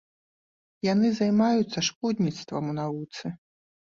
Яны займаюцца шкодніцтвам у навуцы.